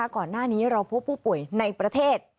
ก่อนหน้านี้เราพบผู้ป่วยในประเทศ